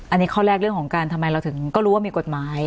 อันนี้ข้อแรกเรื่องของการทำไมเราถึงก็รู้ว่ามีกฎหมาย